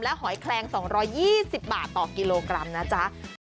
หอยแคลง๒๒๐บาทต่อกิโลกรัมนะจ๊ะ